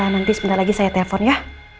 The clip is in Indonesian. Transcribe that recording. nanti sebentar lagi saya telpon ya